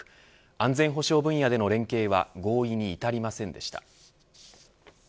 安全保障分野での連携は合意に至りませんでした。